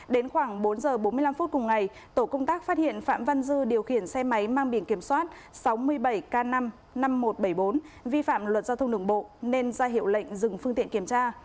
đến khoảng bốn h bốn mươi năm phút cùng ngày tổ công tác phát hiện phạm văn dư điều khiển xe máy mang biển kiểm soát sáu mươi bảy k năm mươi năm nghìn một trăm bảy mươi bốn vi phạm luật giao thông đường bộ nên ra hiệu lệnh dừng phương tiện kiểm tra